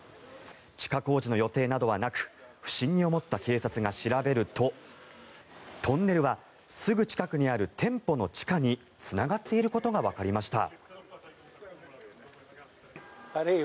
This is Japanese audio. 地下工事の予定などはなく不審に思った警察が調べるとトンネルはすぐ近くにある店舗の地下につながっていることがわかりました。